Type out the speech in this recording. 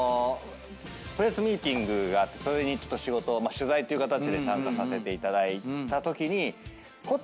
プレスミーティングがあってそれに仕事取材っていう形で参加させていただいたときにホテルでやってたんですね。